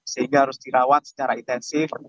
sehingga harus dirawat secara intensif